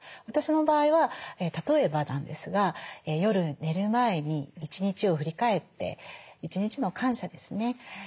私の場合は例えばなんですが夜寝る前に一日を振り返って一日の感謝ですね。